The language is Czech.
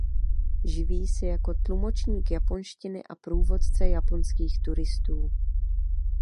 Živí se jako tlumočník japonštiny a průvodce japonských turistů.